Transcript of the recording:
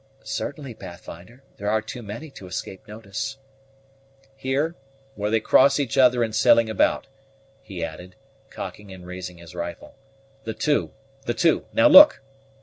"Certainly, Pathfinder; there are too many to escape notice." "Here, where they cross each other in sailing about," he added, cocking and raising his rifle; "the two the two. Now look!"